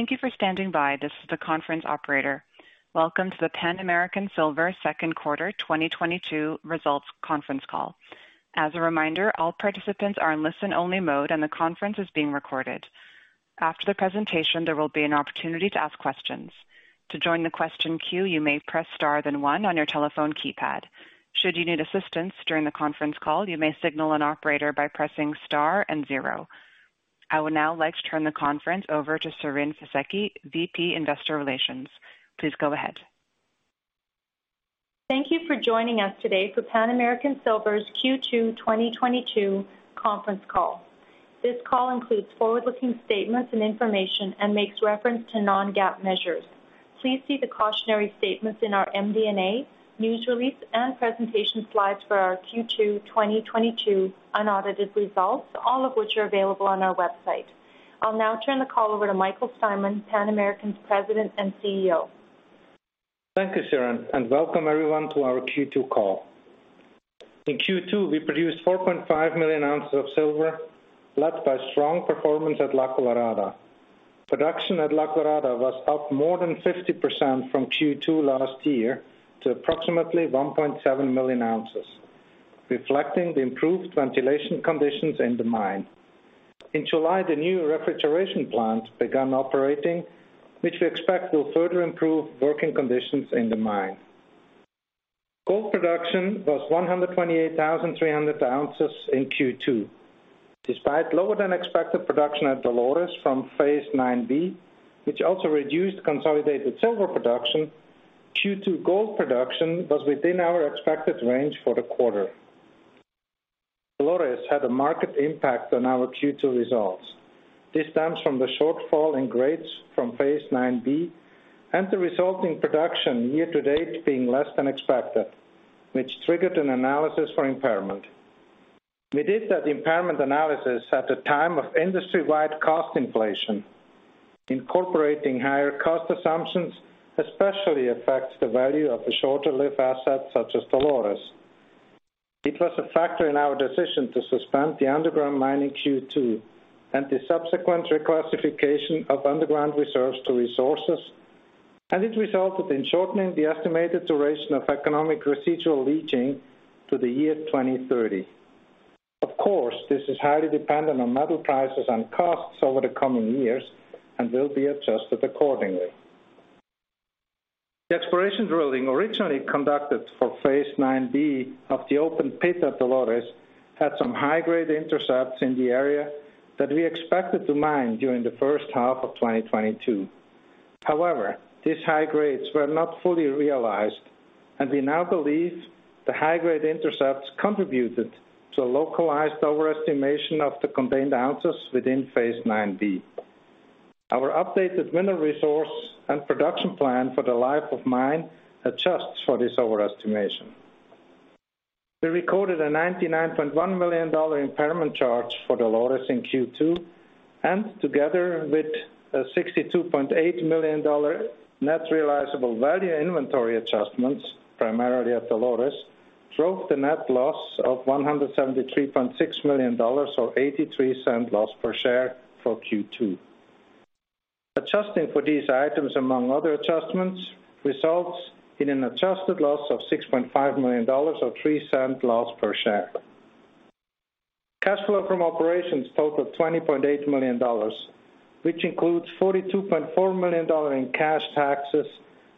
Thank you for standing by. This is the conference operator. Welcome to the Pan American Silver second quarter 2022 results conference call. As a reminder, all participants are in listen-only mode and the conference is being recorded. After the presentation, there will be an opportunity to ask questions. To join the question queue, you may press star then one on your telephone keypad. Should you need assistance during the conference call, you may signal an operator by pressing star and zero. I would now like to turn the conference over to Siren Fisekci, VP, Investor Relations. Please go ahead. Thank you for joining us today for Pan American Silver's Q2 2022 conference call. This call includes forward-looking statements and information and makes reference to non-GAAP measures. Please see the cautionary statements in our MD&A, news release and presentation slides for our Q2 2022 unaudited results, all of which are available on our website. I'll now turn the call over to Michael Steinmann, Pan American's President and CEO. Thank you, Siren, and welcome everyone to our Q2 call. In Q2, we produced 4.5 million ounces of silver, led by strong performance at La Colorada. Production at La Colorada was up more than 50% from Q2 last year to approximately 1.7 million ounces, reflecting the improved ventilation conditions in the mine. In July, the new refrigeration plant began operating, which we expect will further improve working conditions in the mine. Gold production was 128,300 ounces in Q2. Despite lower than expected production at Dolores phase IX-B, which also reduced consolidated silver production, Q2 gold production was within our expected range for the quarter. Dolores had a market impact on our Q2 results. This stems from the shortfall in phase IX-B and the resulting production year to date being less than expected, which triggered an analysis for impairment. We did that impairment analysis at a time of industry-wide cost inflation. Incorporating higher cost assumptions, especially affects the value of a shorter-lived asset such as Dolores. It was a factor in our decision to suspend the underground mining Q2 and the subsequent reclassification of underground reserves to resources, and it resulted in shortening the estimated duration of economic residual leaching to the year 2030. Of course, this is highly dependent on metal prices and costs over the coming years and will be adjusted accordingly. The exploration drilling originally phase IX-B of the open pit at Dolores had some high-grade intercepts in the area that we expected to mine during the first half of 2022. However, these high grades were not fully realized, and we now believe the high-grade intercepts contributed to a localized overestimation of the contained phase IX-B. our updated mineral resource and production plan for the life of mine adjusts for this overestimation. We recorded a $99.1 million impairment charge for Dolores in Q2, and together with a $62.8 million net realizable value inventory adjustments, primarily at Dolores, drove the net loss of $173.6 million or $0.83 loss per share for Q2. Adjusting for these items, among other adjustments, results in an adjusted loss of $6.5 million or $0.03 loss per share. Cash flow from operations totaled $20.8 million, which includes $42.4 million in cash taxes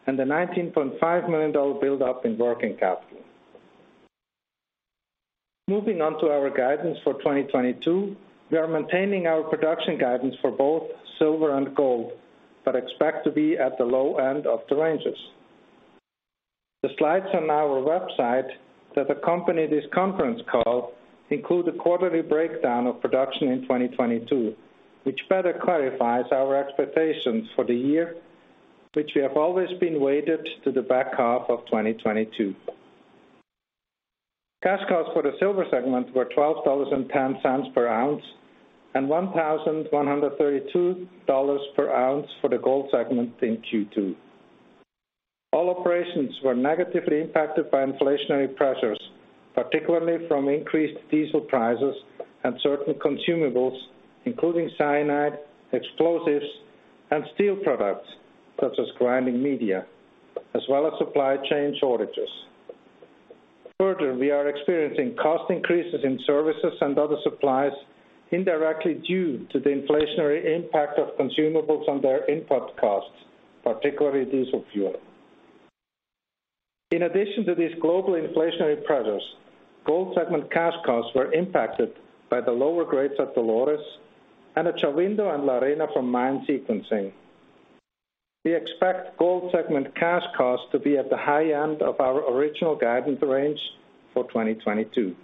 and a $19.5 million build-up in working capital. Moving on to our guidance for 2022, we are maintaining our production guidance for both silver and gold, but expect to be at the low end of the ranges. The slides on our website that accompany this conference call include a quarterly breakdown of production in 2022, which better clarifies our expectations for the year, which we have always been weighted to the back half of 2022. Cash costs for the silver segment were $12.10 per ounce and $1,132 per ounce for the gold segment in Q2. All operations were negatively impacted by inflationary pressures, particularly from increased diesel prices and certain consumables, including cyanide, explosives and steel products such as grinding media, as well as supply chain shortages. Further, we are experiencing cost increases in services and other supplies indirectly due to the inflationary impact of consumables on their input costs, particularly diesel fuel. In addition to these global inflationary pressures, gold segment cash costs were impacted by the lower grades at Dolores and at Shahuindo and La Arena from mine sequencing. We expect gold segment cash costs to be at the high end of our original guidance range for 2022.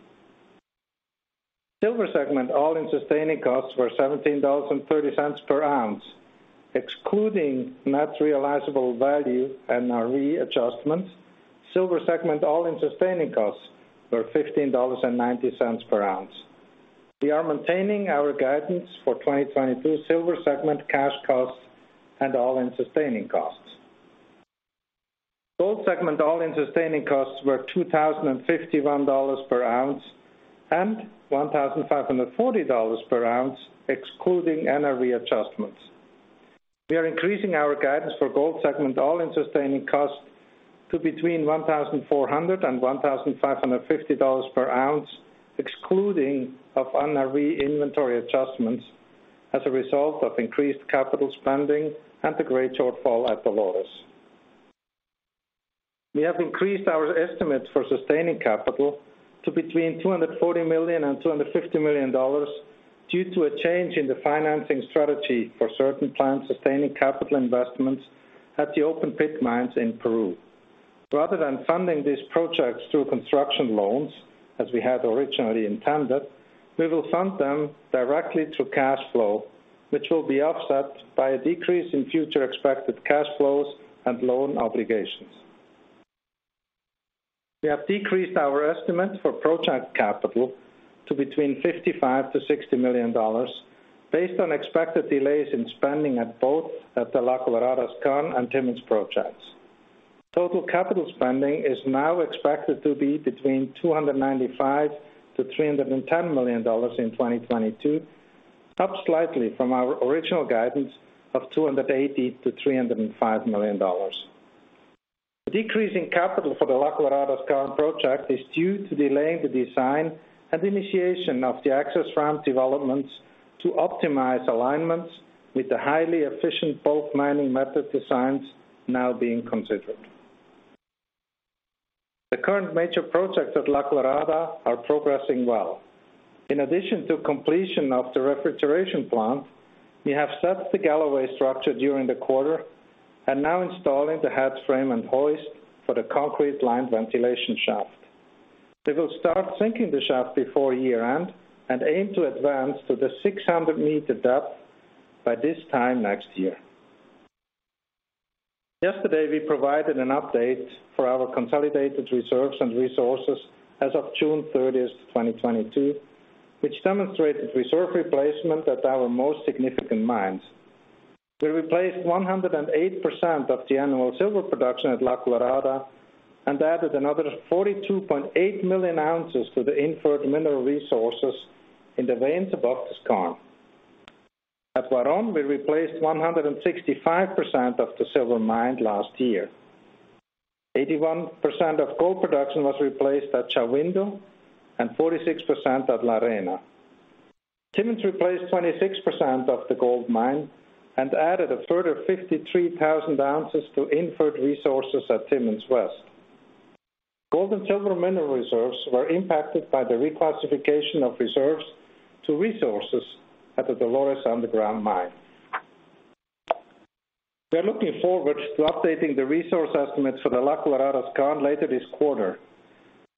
Silver segment all-in sustaining costs were $17.30 per ounce. Excluding net realizable value NRV adjustments, silver segment all-in sustaining costs were $15.90 per ounce. We are maintaining our guidance for 2022 silver segment cash costs and all-in sustaining costs. Gold segment all-in sustaining costs were $2,051 per ounce and $1,540 per ounce excluding NRV adjustments. We are increasing our guidance for gold segment all-in sustaining costs to between $1,400 and $1,550 per ounce, excluding of NRV inventory adjustments as a result of increased capital spending and the grade shortfall at Dolores. We have increased our estimates for sustaining capital to between $240 million and $250 million due to a change in the financing strategy for certain planned sustaining capital investments at the open pit mines in Peru. Rather than funding these projects through construction loans, as we had originally intended, we will fund them directly through cash flow, which will be offset by a decrease in future expected cash flows and loan obligations. We have decreased our estimate for project capital to between $55 million-$60 million based on expected delays in spending at both the La Colorada Skarn and Timmins projects. Total capital spending is now expected to be between $295 million-$310 million in 2022, up slightly from our original guidance of $280 million-$305 million. The decrease in capital for the La Colorada Skarn project is due to delaying the design and initiation of the access ramp developments to optimize alignments with the highly efficient bulk mining method designs now being considered. The current major projects at La Colorada are progressing well. In addition to completion of the refrigeration plant, we have set the Galloway structure during the quarter and now installing the head frame and hoist for the concrete lined ventilation shaft. They will start sinking the shaft before year-end and aim to advance to the 600 m depth by this time next year. Yesterday, we provided an update for our consolidated reserves and resources as of June 30, 2022, which demonstrated reserve replacement at our most significant mines. We replaced 108% of the annual silver production at La Colorada and added another 42.8 million ounces to the inferred mineral resources in the veins above this Skarn. At Huaron, we replaced 165% of the silver mined last year. 81% of gold production was replaced at Shahuindo and 46% at La Arena. Timmins replaced 26% of the gold mined and added a further 53,000 ounces to inferred resources at Timmins West. Gold and silver mineral reserves were impacted by the reclassification of reserves to resources at the Dolores underground mine. We are looking forward to updating the resource estimates for the La Colorada Skarn later this quarter.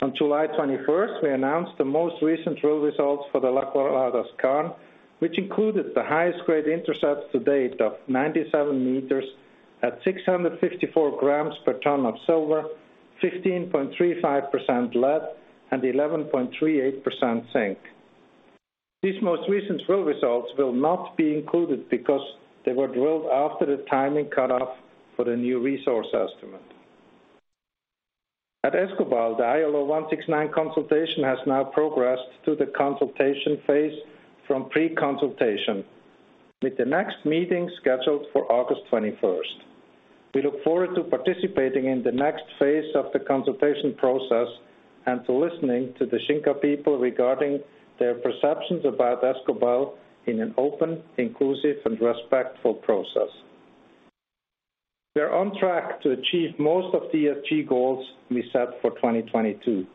On July 21, we announced the most recent drill results for the La Colorada Skarn, which included the highest grade intercepts to date of 97 m at 654 g per ton of silver, 15.35% lead, and 11.38% zinc. These most recent drill results will not be included because they were drilled after the timing cutoff for the new resource estimate. At Escobal, the ILO 169 consultation has now progressed to the consultation phase from pre-consultation, with the next meeting scheduled for August 21. We look forward to participating in the next phase of the consultation process and to listening to the Xinca people regarding their perceptions about Escobal in an open, inclusive, and respectful process. We are on track to achieve most of the ESG goals we set for 2022.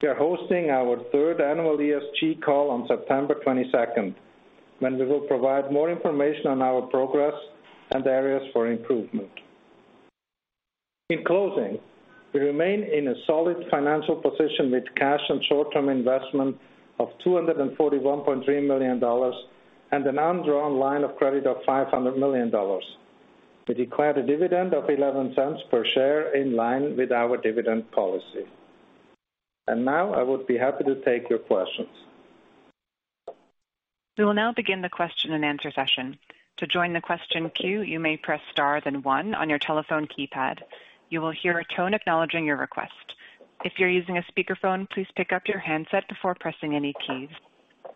We are hosting our third annual ESG call on September 22nd, when we will provide more information on our progress and areas for improvement. In closing, we remain in a solid financial position with cash and short-term investment of $241.3 million and an undrawn line of credit of $500 million. We declared a dividend of $0.11 per share in line with our dividend policy. Now I would be happy to take your questions. We will now begin the question and answer session. To join the question queue, you may press star then one on your telephone keypad. You will hear a tone acknowledging your request. If you're using a speakerphone, please pick up your handset before pressing any keys.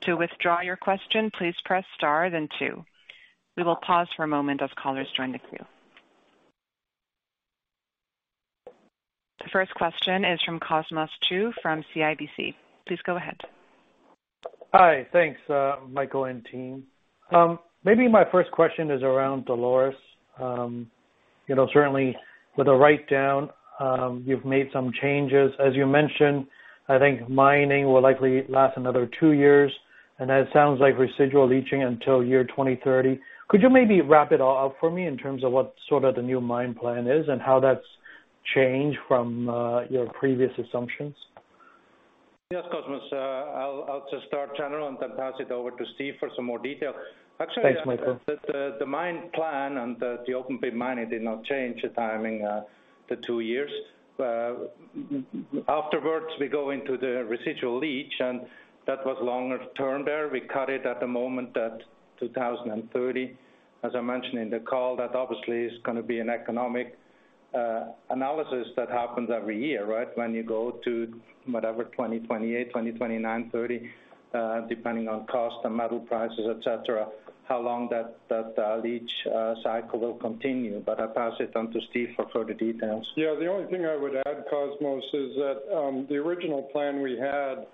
To withdraw your question, please press star then two. We will pause for a moment as callers join the queue. The first question is from Cosmos Chiu from CIBC. Please go ahead. Hi. Thanks, Michael and team. Maybe my first question is around Dolores. You know, certainly with a write down, you've made some changes. As you mentioned, I think mining will likely last another two years, and it sounds like residual leaching until 2030. Could you maybe wrap it all up for me in terms of what sort of the new mine plan is and how that's changed from your previous assumptions? Yes, Cosmos. I'll just start general and then pass it over to Steve for some more detail. Thanks, Michael. The mine plan and the open pit mining did not change the timing, the two years. Afterwards, we go into the residual leach, and that was longer term there. We cut it at the moment at 2030. As I mentioned in the call, that obviously is gonna be an economic analysis that happens every year, right? When you go to whatever, 2028, 2029, 2030, depending on cost and metal prices, et cetera, how long that leach cycle will continue. I pass it on to Steve for further details. Yeah. The only thing I would add, Cosmos, is that, the original plan we had,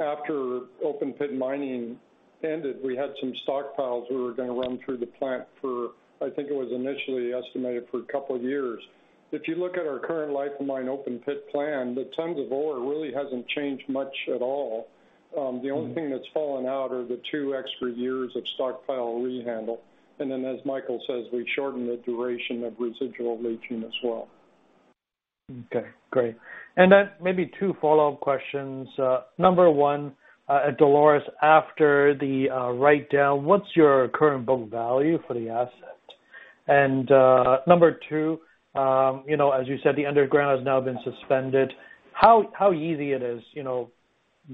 after open pit mining ended, we had some stockpiles we were gonna run through the plant for, I think it was initially estimated for a couple of years. If you look at our current life of mine open pit plan, the tons of ore really hasn't changed much at all. The only thing that's fallen out are the two extra years of stockpile rehandle. Then, as Michael says, we shortened the duration of residual leaching as well. Okay, great. Maybe two follow-up questions. Number one, at Dolores, after the write down, what's your current book value for the asset? Number two, you know, as you said, the underground has now been suspended. How easy it is, you know,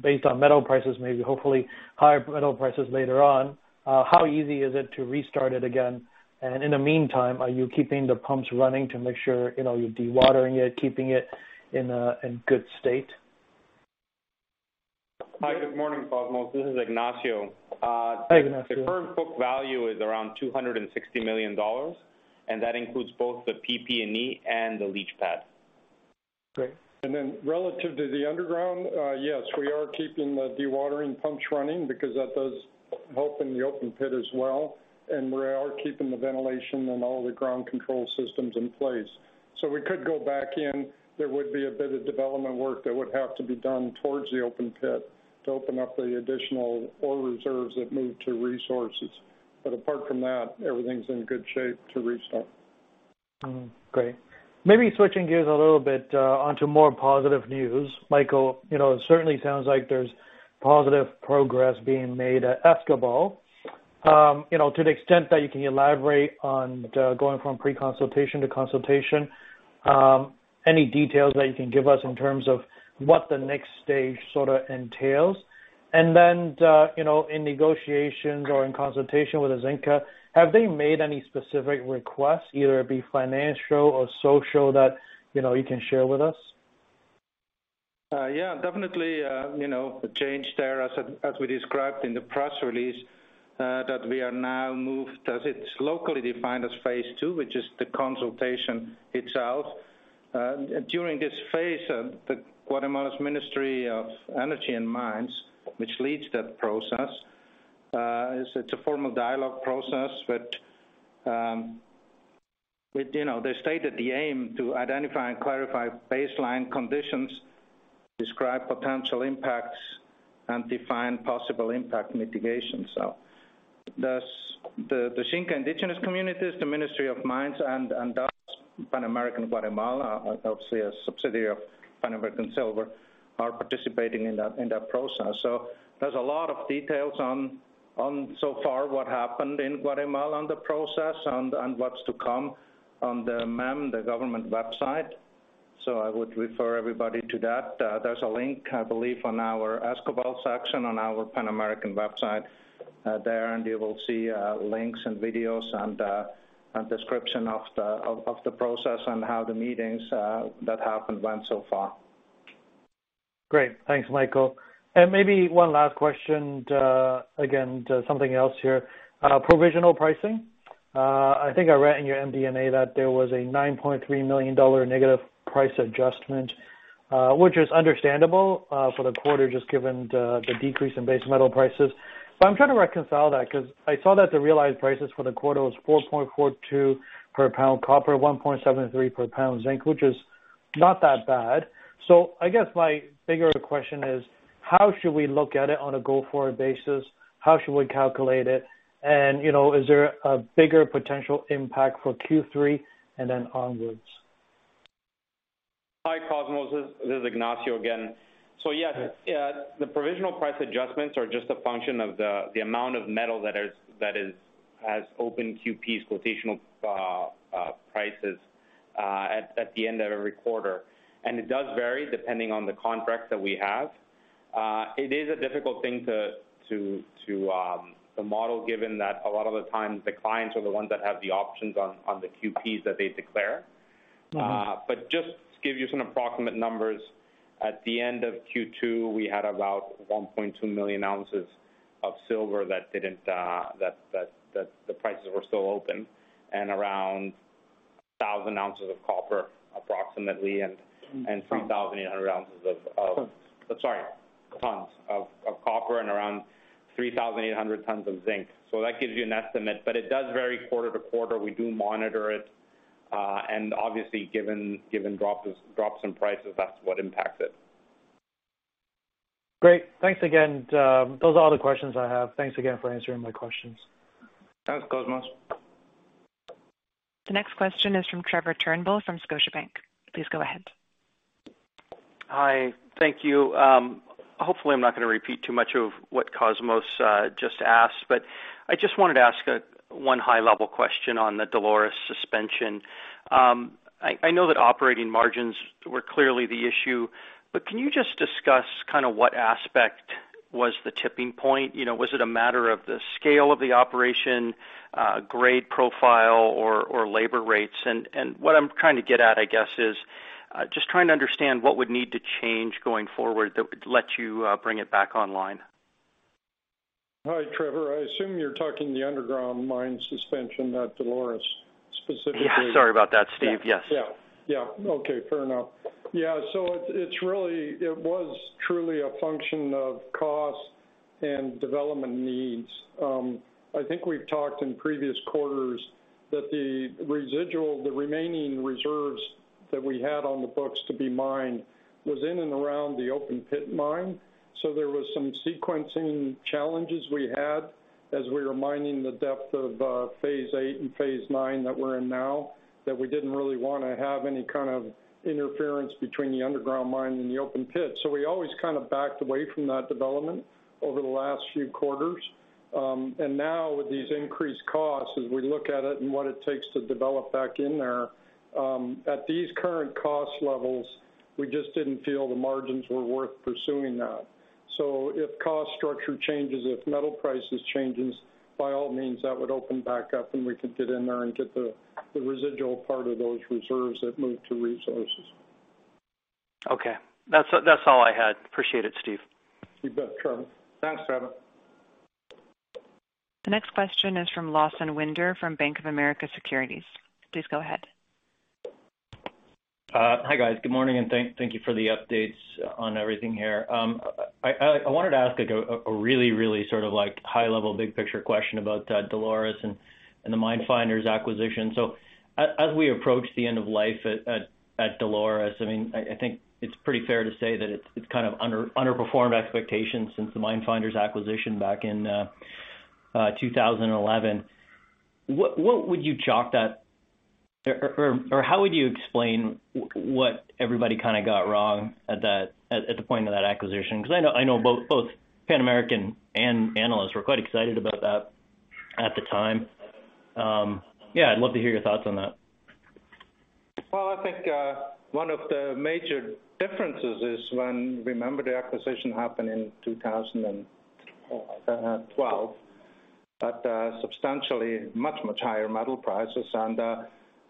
based on metal prices, maybe hopefully higher metal prices later on, how easy is it to restart it again? In the meantime, are you keeping the pumps running to make sure, you know, you're dewatering it, keeping it in a good state? Hi, good morning, Cosmos. This is Ignacio. Hi, Ignacio. The current book value is around $260 million, and that includes both the PP&E and the leach pad. Great. Relative to the underground, yes, we are keeping the dewatering pumps running because that does help in the open pit as well, and we are keeping the ventilation and all the ground control systems in place. We could go back in, there would be a bit of development work that would have to be done towards the open pit to open up the additional ore reserves that move to resources. Apart from that, everything's in good shape to restart. Great. Maybe switching gears a little bit, onto more positive news. Michael, you know, it certainly sounds like there's positive progress being made at Escobal. You know, to the extent that you can elaborate on the going from pre-consultation to consultation, any details that you can give us in terms of what the next stage sorta entails? And then, you know, in negotiations or in consultation with the Xinca, have they made any specific requests, either it be financial or social that, you know, you can share with us? Yeah, definitely, you know, a change there as we described in the press release, that we are now moved as it's locally defined as phase II, which is the consultation itself. During this phase, Guatemala's Ministry of Energy and Mines, which leads that process, it's a formal dialogue process, which, you know, they stated the aim to identify and clarify baseline conditions, describe potential impacts, and define possible impact mitigations. Thus, the Xinca indigenous communities, the Ministry of Energy and Mines and us, PAS Guatemala, obviously a subsidiary of Pan American Silver, are participating in that process. There's a lot of details on so far what happened in Guatemala on the process and what's to come on the MEM, the government website. I would refer everybody to that. There's a link, I believe, on our Escobal section on our Pan American website, there, and you will see links and videos and description of the process and how the meetings that happened went so far. Great. Thanks, Michael. Maybe one last question, again to something else here. Provisional pricing, I think I read in your MD&A that there was a $9.3 million negative price adjustment, which is understandable, for the quarter just given the decrease in base metal prices. I'm trying to reconcile that because I saw that the realized prices for the quarter was 4.42 per pound copper, 1.73 per pound zinc, which is not that bad. I guess my bigger question is how should we look at it on a go-forward basis? How should we calculate it? You know, is there a bigger potential impact for Q3 and then onwards? Hi, Cosmos. This is Ignacio again. Yeah, the provisional price adjustments are just a function of the amount of metal that has open QPs, quotational prices at the end of every quarter. It does vary depending on the contracts that we have. It is a difficult thing to model given that a lot of the times the clients are the ones that have the options on the QPs that they declare. Mm-hmm. Just to give you some approximate numbers, at the end of Q2, we had about 1.2 million ounces of silver that the prices were still open and around 1,000 ounces of copper approximately. Mm. 3,800 tons of copper and around 3,800 tons of zinc. So that gives you an estimate, but it does vary quarter to quarter. We do monitor it, and obviously given drops in prices, that's what impacts it. Great. Thanks again. Those are all the questions I have. Thanks again for answering my questions. Thanks, Cosmos. The next question is from Trevor Turnbull from Scotiabank. Please go ahead. Hi, thank you. Hopefully I'm not gonna repeat too much of what Cosmos just asked, but I just wanted to ask one high level question on the Dolores suspension. I know that operating margins were clearly the issue, but can you just discuss kinda what aspect was the tipping point? You know, was it a matter of the scale of the operation, grade profile or labor rates? What I'm trying to get at, I guess, is just trying to understand what would need to change going forward that would let you bring it back online. Hi, Trevor. I assume you're talking about the underground mine suspension at Dolores specifically. Yeah, sorry about that, Steve. Yes. Okay, fair enough. It's really. It was truly a function of cost and development needs. I think we've talked in previous quarters that the remaining reserves that we had on the books to be mined was in and around the open pit mine. There was some sequencing challenges we had as we were mining the depth of phase VIII and phase IX that we're in now, that we didn't really wanna have any kind of interference between the underground mine and the open pit. We always kind of backed away from that development over the last few quarters. Now with these increased costs, as we look at it and what it takes to develop back in there, at these current cost levels, we just didn't feel the margins were worth pursuing that. If cost structure changes, if metal prices changes, by all means, that would open back up, and we could get in there and get the residual part of those reserves that moved to resources. Okay. That's all I had. Appreciate it, Steve. You bet, Trevor. Thanks, Trevor. The next question is from Lawson Winder from Bank of America Securities. Please go ahead. Hi, guys. Good morning, and thank you for the updates on everything here. I wanted to ask, like, a really sort of like high level, big picture question about Dolores and the Minefinders Corporation acquisition. As we approach the end of life at Dolores, I mean, I think it's pretty fair to say that it's kind of underperformed expectations since the Minefinders Corporation acquisition back in 2011. What would you chalk that or how would you explain what everybody kinda got wrong at that point of that acquisition? 'Cause I know both Pan American and analysts were quite excited about that at the time. Yeah, I'd love to hear your thoughts on that. Well, I think one of the major differences is when remember the acquisition happened in 2012 at substantially much higher metal prices.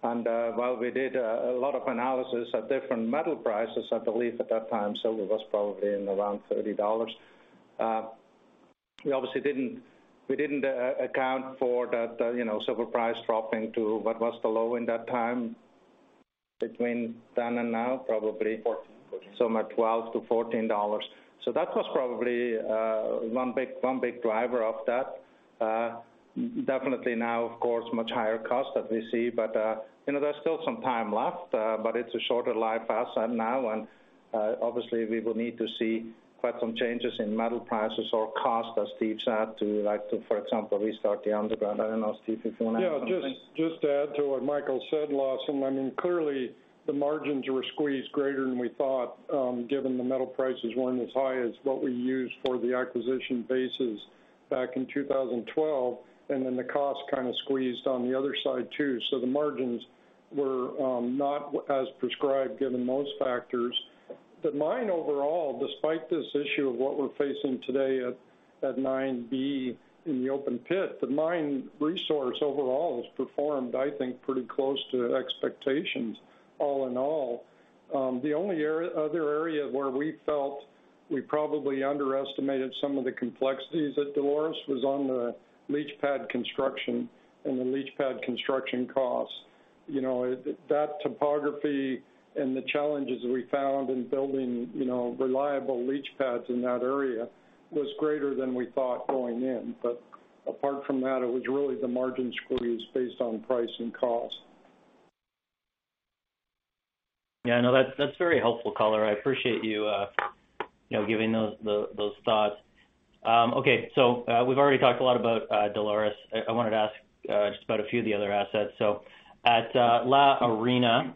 While we did a lot of analysis at different metal prices, I believe at that time silver was probably around $30. We obviously didn't account for that, you know, silver price dropping to what was the low in that time between then and now, probably. 14. At $12-$14. That was probably one big driver of that. Definitely now, of course, much higher cost that we see. You know, there's still some time left, but it's a shorter life asset now. Obviously we will need to see quite some changes in metal prices or cost, as Steve said, to, like, for example, restart the underground. I don't know, Steve, if you wanna add something. Yeah, just to add to what Michael said, Lawson, I mean, clearly the margins were squeezed greater than we thought, given the metal prices weren't as high as what we used for the acquisition basis back in 2012, and then the cost kinda squeezed on the other side too. The margins were not as prescribed given those factors. The mine overall, despite this issue of what we're facing today at phase IX-B in the open pit, the mine resource overall has performed, I think, pretty close to expectations all in all. The only area, other area where we felt we probably underestimated some of the complexities at Dolores was on the leach pad construction and the leach pad construction costs. You know, that topography and the challenges we found in building, you know, reliable leach pads in that area was greater than we thought going in. Apart from that, it was really the margin squeeze based on price and cost. Yeah, no, that's very helpful color. I appreciate you know, giving those thoughts. Okay, we've already talked a lot about Dolores. I wanted to ask just about a few of the other assets. At La Arena,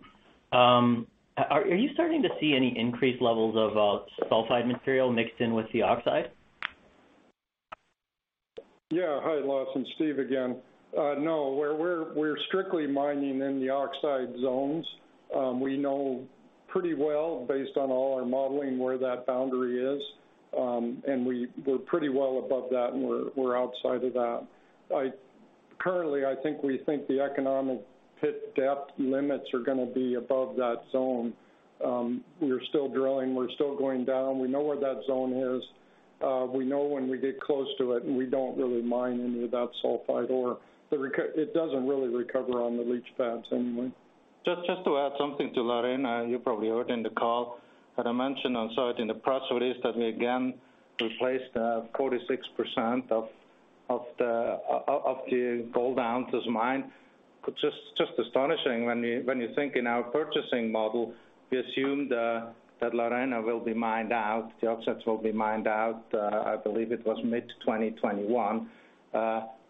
are you starting to see any increased levels of sulfide material mixed in with the oxide? Yeah. Hi, Lawson. Steve again. No, we're strictly mining in the oxide zones. We know pretty well based on all our modeling where that boundary is. We're pretty well above that and we're outside of that. Currently, I think we think the economic pit depth limits are gonna be above that zone. We're still drilling, we're still going down. We know where that zone is. We know when we get close to it, and we don't really mine any of that sulfide ore. It doesn't really recover on the leach pads anyway. To add something to La Arena, you probably heard in the call that I mentioned, and so in the press release, that we again replaced 46% of the gold ounces mined. Just astonishing when you think, in our purchasing model, we assumed that La Arena will be mined out, the oxides will be mined out. I believe it was mid-2021.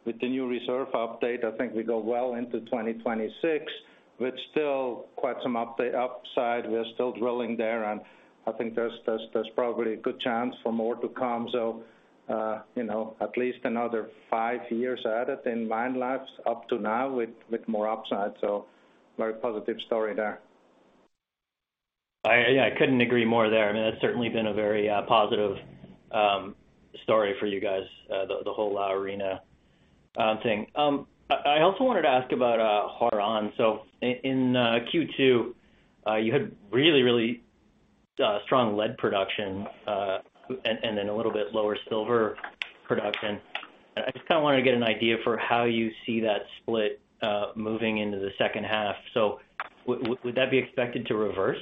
With the new reserve update, I think we go well into 2026. Still quite some upside. We are still drilling there, and I think there's probably a good chance for more to come. You know, at least another five years added in mine lives up to now with more upside. Very positive story there. I couldn't agree more there. I mean, that's certainly been a very positive story for you guys, the whole arena thing. I also wanted to ask about Huaron. In Q2, you had really strong lead production, and then a little bit lower silver production. I just kinda wanted to get an idea for how you see that split moving into the second half. Would that be expected to reverse?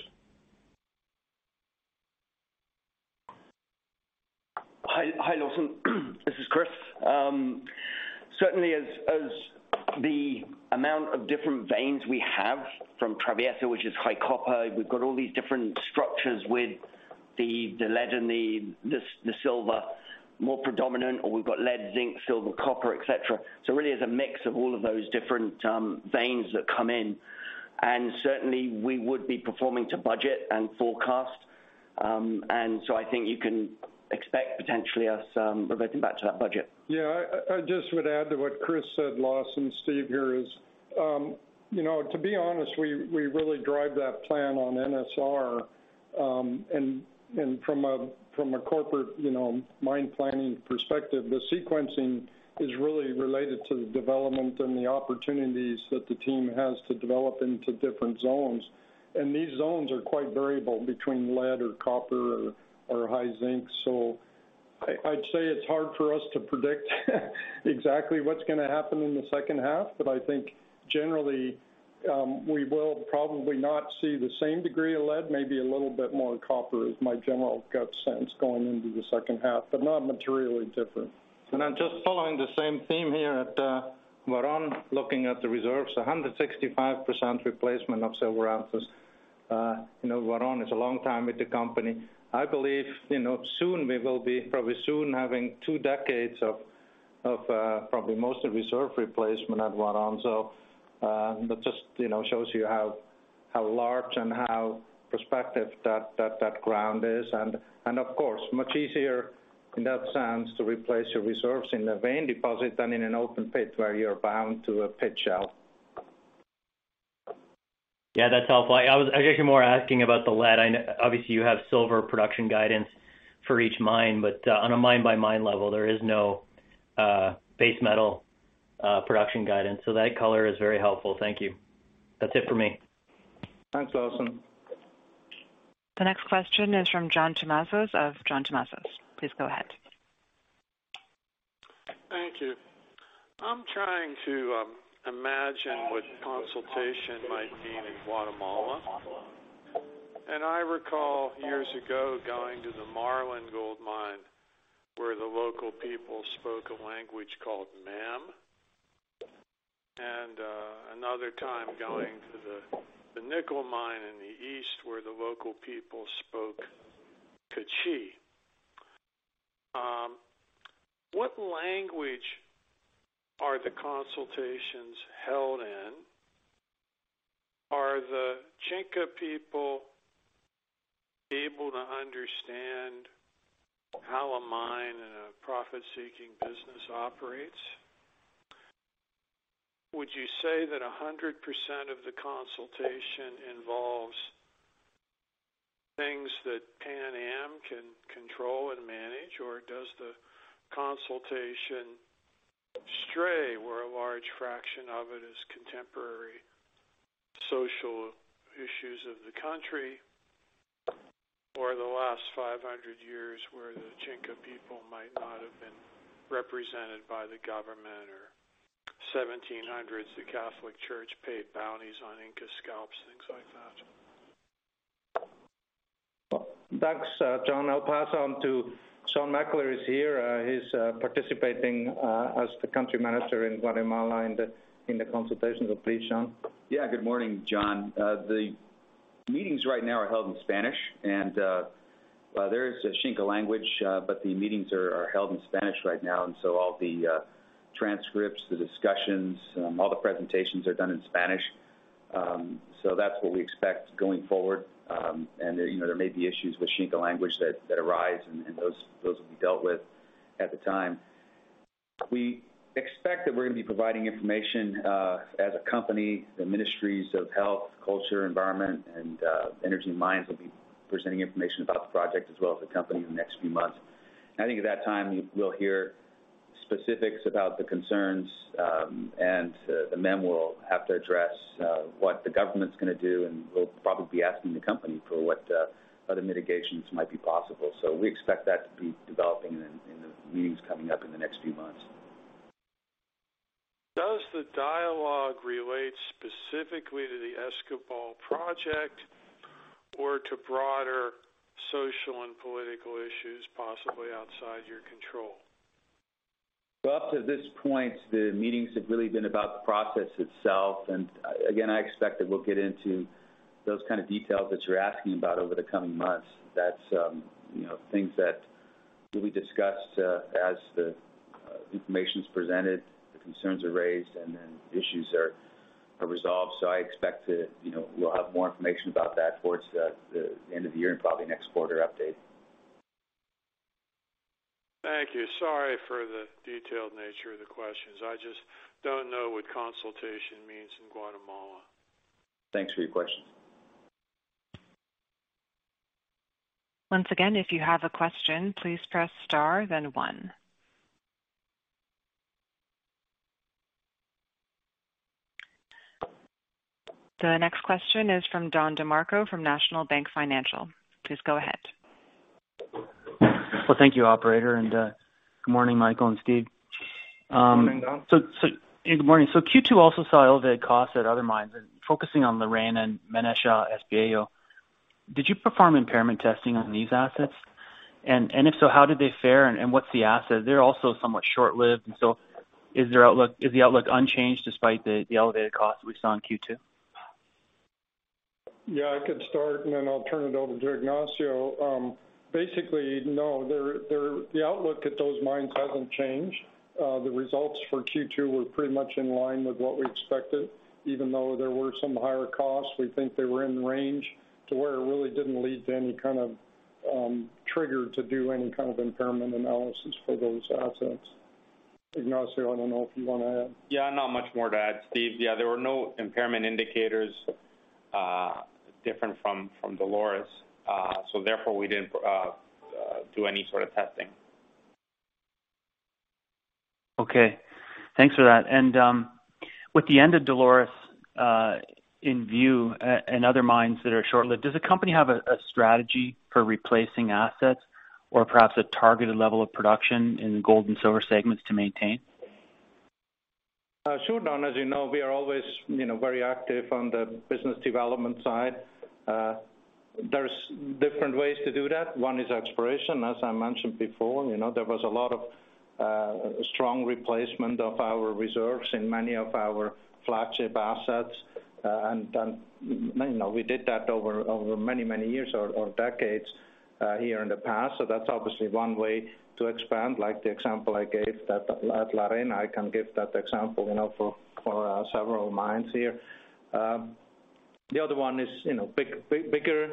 Hi, Lawson. This is Chris. Certainly, as the amount of different veins we have from Traviata, which is high copper, we've got all these different structures with the lead and the silver more predominant, or we've got lead, zinc, silver, copper, et cetera. It really is a mix of all of those different veins that come in. Certainly, we would be performing to budget and forecast. I think you can expect potentially us reverting back to that budget. Yeah. I just would add to what Chris said, Lawson, Steve, you know, to be honest, we really drive that plan on NSR. And from a corporate, you know, mine planning perspective, the sequencing is really related to the development and the opportunities that the team has to develop into different zones. These zones are quite variable between lead or copper or high zinc. I'd say it's hard for us to predict exactly what's gonna happen in the second half. I think generally, we will probably not see the same degree of lead, maybe a little bit more copper, is my general gut sense going into the second half, but not materially different. Just following the same theme here at Huaron, looking at the reserves, 165% replacement of silver ounces. You know, Huaron is a long time with the company. I believe, you know, soon we will be probably soon having two decades of probably mostly reserve replacement at Huaron. That just, you know, shows you how large and how prospective that ground is, and of course, much easier in that sense to replace your reserves in a vein deposit than in an open pit where you're bound to a pit shell. Yeah, that's helpful. I was actually more asking about the lead. I know obviously you have silver production guidance for each mine, but on a mine-by-mine level, there is no base metal production guidance. That color is very helpful. Thank you. That's it for me. Thanks, Lawson. The next question is from John Tumazos of John Tumazos. Please go ahead. Thank you. I'm trying to imagine what consultation might mean in Guatemala. I recall years ago going to the Marlin Gold Mine, where the local people spoke a language called Mam, and another time going to the nickel mine in the east, where the local people spoke Q'eqchi'. What language are the consultations held in? Are the Xinca people able to understand how a mine and a profit-seeking business operates? Would you say that 100% of the consultation involves things that Pan Am can control and manage, or does the consultation stray where a large fraction of it is contemporary social issues of the country for the last 500 years where the Xinca people might not have been represented by the government or 1700s, the Catholic Church paid bounties on Xinca scalps, things like that? Thanks, John. I'll pass on to Sean McAleer is here. He's participating as the country manager in Guatemala in the consultation. Please, Sean. Yeah. Good morning, John. The meetings right now are held in Spanish, and there is a Xinca language, but the meetings are held in Spanish right now. All the transcripts, the discussions, all the presentations are done in Spanish. That's what we expect going forward. You know, there may be issues with Xinca language that arise and those will be dealt with at the time. We expect that we're gonna be providing information as a company. The Ministries of Health, Culture, Environment, and Energy and Mines will be presenting information about the project as well as the company in the next few months. I think at that time, we'll hear specifics about the concerns, the MEM will have to address what the government's gonna do, and we'll probably be asking the company for what other mitigations might be possible. We expect that to be developing in the meetings coming up in the next few months. Does the dialogue relate specifically to the Escobal project or to broader social and political issues, possibly outside your control? Well, up to this point, the meetings have really been about the process itself. Again, I expect that we'll get into those kind of details that you're asking about over the coming months. That's, you know, things that will be discussed as the information is presented, the concerns are raised, and then issues are resolved. I expect to, you know, we'll have more information about that towards the end of the year and probably next quarter update. Thank you. Sorry for the detailed nature of the questions. I just don't know what consultation means in Guatemala. Thanks for your question. Once again, if you have a question, please press star then one. The next question is from Don DeMarco from National Bank Financial. Please go ahead. Well, thank you, operator, and good morning, Michael and Steve. Morning, Don. Good morning. Q2 also saw elevated costs at other mines. Focusing on La Arena and Manantial Espejo, did you perform impairment testing on these assets? If so, how did they fare and what's the asset? They're also somewhat short-lived, and so is their outlook. Is the outlook unchanged despite the elevated costs we saw in Q2? Yeah, I could start, and then I'll turn it over to Ignacio. Basically, no. The outlook at those mines hasn't changed. The results for Q2 were pretty much in line with what we expected. Even though there were some higher costs, we think they were in range to where it really didn't lead to any kind of trigger to do any kind of impairment analysis for those assets. Ignacio, I don't know if you wanna add. Yeah, not much more to add, Steve. Yeah, there were no impairment indicators different from Dolores. Therefore, we didn't do any sort of testing. Okay. Thanks for that. With the end of Dolores in view and other mines that are short-lived, does the company have a strategy for replacing assets or perhaps a targeted level of production in gold and silver segments to maintain? Sure, Don. As you know, we are always, you know, very active on the business development side. There's different ways to do that. One is exploration. As I mentioned before, you know, there was a lot of strong replacement of our reserves in many of our flagship assets. You know, we did that over many years or decades here in the past. That's obviously one way to expand, like the example I gave that at La Arena. I can give that example, you know, for several mines here. The other one is, you know, bigger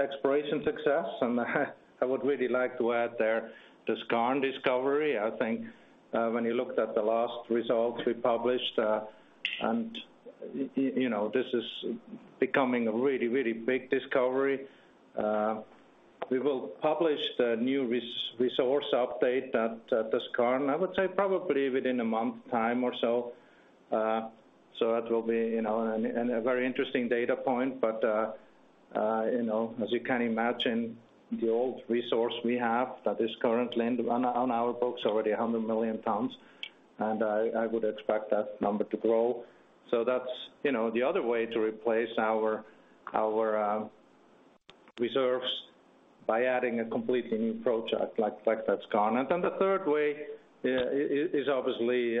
exploration success. I would really like to add there the Skarn discovery. I think, when you looked at the last results we published, and you know, this is becoming a really big discovery. We will publish the new resource update at the Skarn, I would say probably within a month time or so. So it will be, you know, a very interesting data point. You know, as you can imagine, the old resource we have that is currently on our books, already 100 million tons, and I would expect that number to grow. That's, you know, the other way to replace our reserves by adding a completely new project like that Skarn. Then the third way is obviously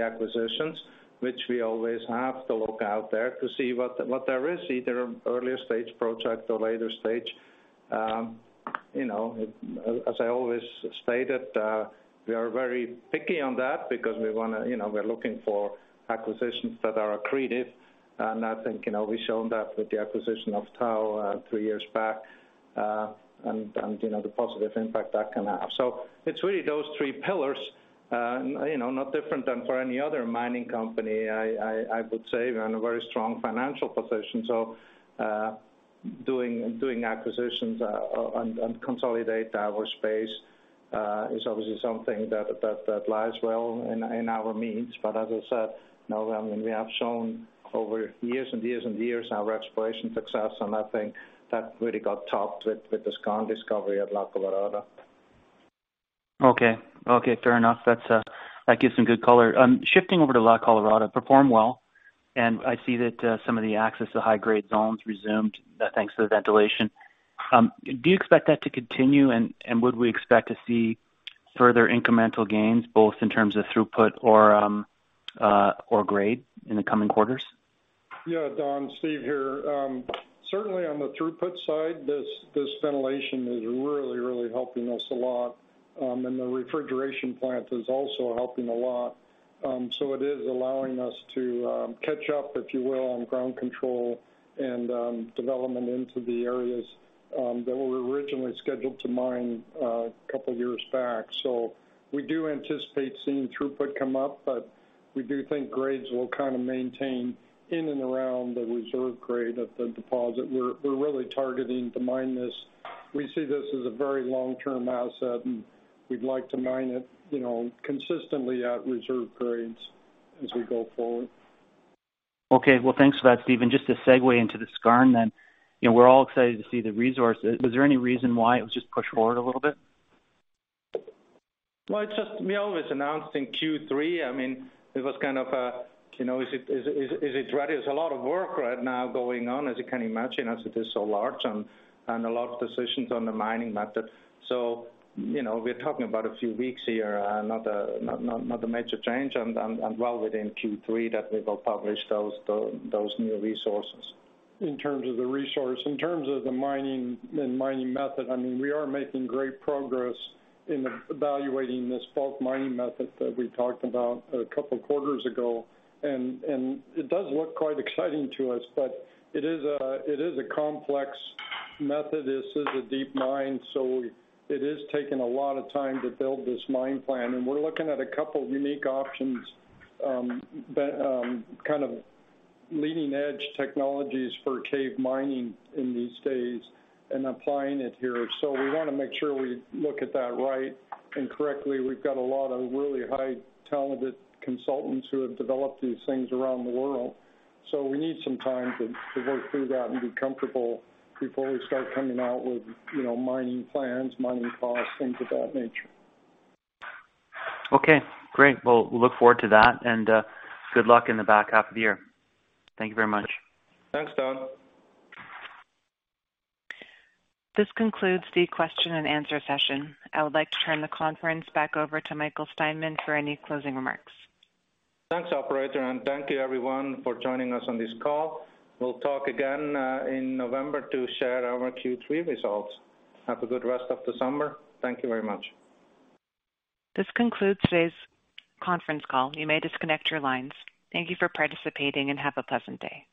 acquisitions, which we always have to look out there to see what there is, either earlier stage project or later stage. You know, as I always stated, we are very picky on that because we wanna, you know, we're looking for acquisitions that are accretive. I think, you know, we've shown that with the acquisition of Tahoe three years back, and you know, the positive impact that can have. It's really those three pillars, you know, not different than for any other mining company. I would say we're in a very strong financial position. Doing acquisitions and consolidate our space is obviously something that lies well in our means. As I said, you know, I mean, we have shown over years and years and years our exploration success, and I think that really got topped with the Skarn discovery at La Colorada. Fair enough. That gives some good color. Shifting over to La Colorada, performed well, and I see that some of the access to high grade zones resumed thanks to the ventilation. Do you expect that to continue? Would we expect to see further incremental gains both in terms of throughput or grade in the coming quarters? Yeah, Don, Steve here. Certainly on the throughput side, this ventilation is really helping us a lot. The refrigeration plant is also helping a lot. It is allowing us to catch up, if you will, on ground control and development into the areas that were originally scheduled to mine a couple of years back. We do anticipate seeing throughput come up, but we do think grades will kind of maintain in and around the reserve grade at the deposit. We're really targeting to mine this. We see this as a very long-term asset, and we'd like to mine it, you know, consistently at reserve grades as we go forward. Okay. Well, thanks for that, Steve. Just to segue into the Skarn then, you know, we're all excited to see the resources. Was there any reason why it was just pushed forward a little bit? Well, it's just we always announced in Q3. I mean, it was kind of, you know, is it ready? There's a lot of work right now going on, as you can imagine, as it is so large and a lot of decisions on the mining method. You know, we're talking about a few weeks here, not a major change and well within Q3 that we will publish those new resources. In terms of the resource, in terms of the mining and mining method, I mean, we are making great progress in evaluating this bulk mining method that we talked about a couple quarters ago, and it does look quite exciting to us. It is a complex method. This is a deep mine, so it is taking a lot of time to build this mine plan. We're looking at a couple unique options, but kind of leading edge technologies for cave mining in these days and applying it here. We wanna make sure we look at that right and correctly. We've got a lot of really highly talented consultants who have developed these things around the world, so we need some time to work through that and be comfortable before we start coming out with, you know, mining plans, mining costs, things of that nature. Okay, great. Well, we look forward to that, and good luck in the back half of the year. Thank you very much. Thanks, Don. This concludes the question and answer session. I would like to turn the conference back over to Michael Steinmann for any closing remarks. Thanks, operator, and thank you everyone for joining us on this call. We'll talk again in November to share our Q3 results. Have a good rest of the summer. Thank you very much. This concludes today's conference call. You may disconnect your lines. Thank you for participating, and have a pleasant day.